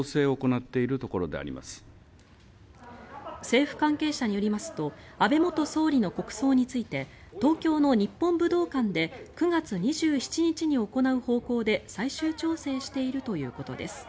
政府関係者によりますと安倍元総理の国葬について東京の日本武道館で９月２７日に行う方向で最終調整しているということです。